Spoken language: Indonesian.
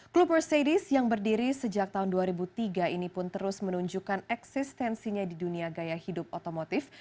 klub mercedes yang berdiri sejak tahun dua ribu tiga ini pun terus menunjukkan eksistensinya di dunia gaya hidup otomotif